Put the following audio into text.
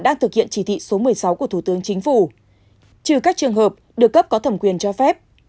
đang thực hiện chỉ thị số một mươi sáu của thủ tướng chính phủ trừ các trường hợp được cấp có thẩm quyền cho phép